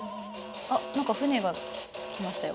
あっ何か船が来ましたよ。